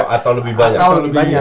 atau lebih banyak